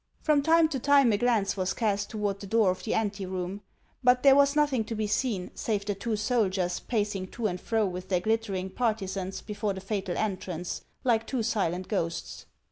From time to time a glance was cast toward the door of the anteroom ; but there was nothing to be seen, save the two soldiers pacing to and fro with their glittering partisans before the fatal entrance, like two silent ghosts.